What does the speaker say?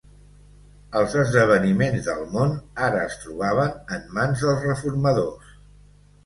Els esdeveniments del món ara es trobaven en mans dels reformadors.